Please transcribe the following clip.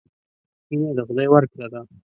مینه د خدای ورکړه ده.